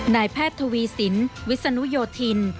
นายแพทย์ทวีสินวิศนุโยธิน